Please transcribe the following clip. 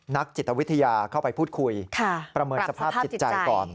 นักจิตวิทยาเข้าไปพูดคุยประเมินสภาพจิตใจก่อน